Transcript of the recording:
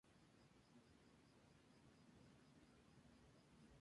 Las obras fueron supervisadas en terreno por Aubert.